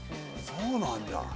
そうなんだ。